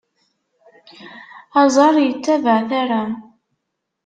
Aẓar ittabaɛ tara.